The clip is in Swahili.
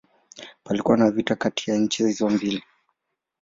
Palikuwa na vita kati ya nchi hizo mbili.